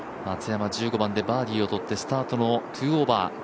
松山１５番でバーディーをとって、スタートの２オーバー。